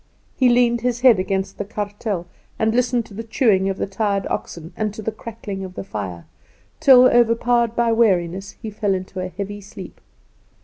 He leaned his head against the kartel, and listened to the chewing of the tired oxen, and to the crackling of the fire, till, overpowered by weariness, he fell into a heavy sleep.